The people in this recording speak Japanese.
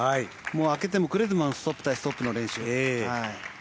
明けても暮れてもストップ対ストップの練習。